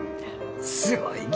すごいき！